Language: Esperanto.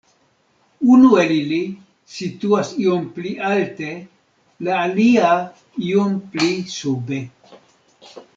Unu el ili situas iom pli alte, la alia iom pli sube.